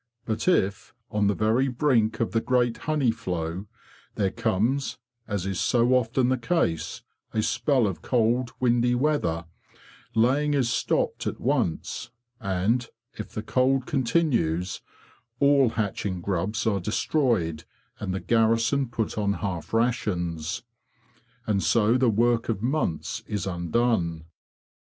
But if, on the very brink of the great honey flow, there comes, as is so often the case, a spell of cold windy weather, laying is stopped at once; and, if the cold continues, all hatching grubs are destroyed and the garrison put on half rations. And so the work of months is undone."